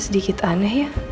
sedikit aneh ya